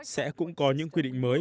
sẽ cũng có những quy định mới